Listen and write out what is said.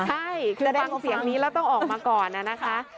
ใช่คือฟังเสียงนี้แล้วต้องออกมาก่อนนะคะ